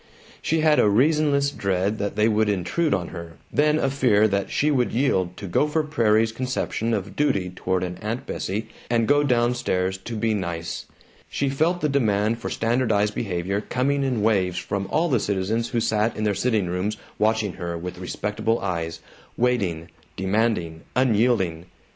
She had a reasonless dread that they would intrude on her, then a fear that she would yield to Gopher Prairie's conception of duty toward an Aunt Bessie and go down stairs to be "nice." She felt the demand for standardized behavior coming in waves from all the citizens who sat in their sitting rooms watching her with respectable eyes, waiting, demanding, unyielding.